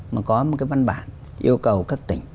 mà có một cái văn bản yêu cầu các tỉnh